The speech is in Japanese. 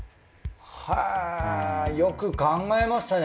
へぇよく考えましたね。